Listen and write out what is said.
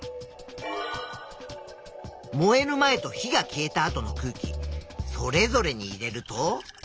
燃える前と火が消えた後の空気それぞれに入れると。